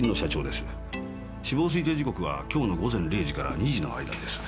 死亡推定時刻は今日の午前０時から２時の間です。